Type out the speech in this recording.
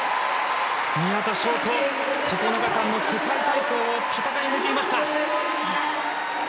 宮田笙子、９日間の世界体操を戦い抜きました！